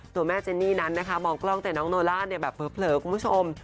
ตัวแม่เจนีนั้นนะคะมองกล้องแต่น้องโนลาแบบเปลื้อคุณผู้ชม